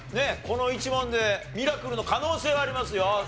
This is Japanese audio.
この１問でミラクルの可能性はありますよ。